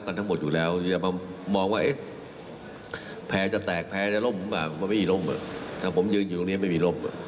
เนี่ยจังต้องยืนอยู่ให้ได้